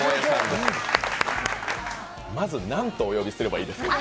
まず、何とお呼びすればいいですか？